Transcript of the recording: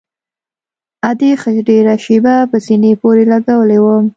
ادې ښه ډېره شېبه په سينې پورې لګولى وم.